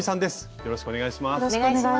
よろしくお願いします。